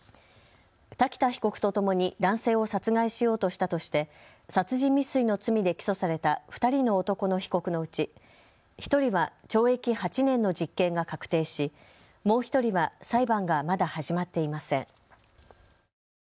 瀧田被告とともに男性を殺害しようとしたとして殺人未遂の罪で起訴された２人の男の被告のうち１人は懲役８年の実刑が確定し、もう１人は裁判がまだ始まっていません。